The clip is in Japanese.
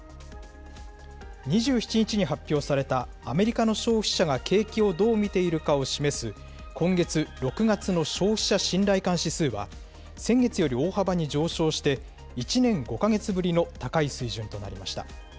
２７日に発表されたアメリカの消費者が景気をどう見ているかを示す、今月・６月の消費者信頼感指数は、先月より大幅に上昇して、１年５か月ぶりの高い水準となりました。